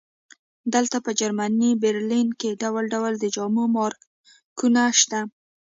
دلته په جرمني برلین کې ډول ډول د جامو مارکونه شته